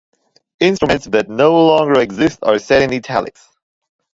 Instruments that no longer exist are set in italics.